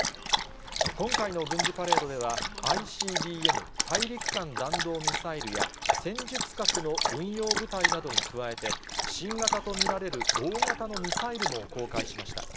今回の軍事パレードでは、ＩＣＢＭ・大陸間弾道ミサイルや、戦術核の運用部隊などに加えて、新型と見られる大型のミサイルも公開しました。